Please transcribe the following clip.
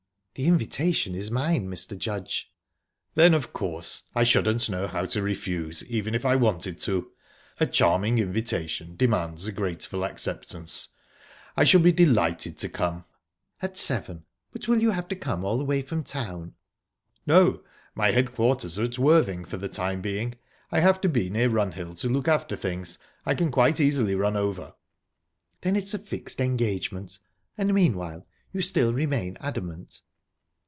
"The invitation is mine, Mr. Judge." "Then, of course, I shouldn't know how to refuse, even if I wanted to. A charming invitation demands a graceful acceptance. I shall be delighted to come." "At seven...But will you have to come all the way from town?" "No my headquarters are at Worthing for the time being. I have to be near Runhill to look after things. I can quite easily run over." "Then it's a fixed engagement...And meanwhile, you still remain adamant?"